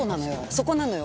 そこなのよ。